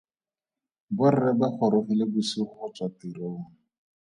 Borre ba gorogile bosigo go tswa tirong.